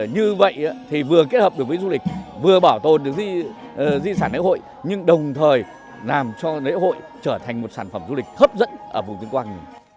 nhưng đồng thời làm cho lễ hội trở thành một sản phẩm du lịch hấp dẫn ở vùng tuyên quang